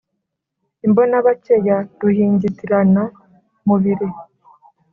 Imbona-bake ya ruhingitirana-mubiri,